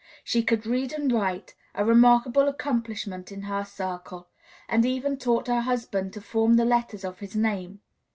She could read and write, a remarkable accomplishment in her circle, and even taught her husband to form the letters of his name.